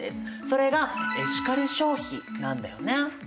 それがエシカル消費なんだよね。